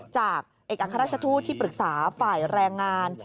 จากเอกอัครราชทูตที่ปรึกษาฝ่ายแรงงาน